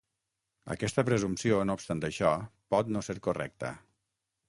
Aquesta presumpció, no obstant això, pot no ser correcta.